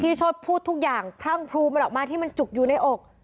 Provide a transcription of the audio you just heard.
โชธพูดทุกอย่างพรั่งพรูมันออกมาที่มันจุกอยู่ในอก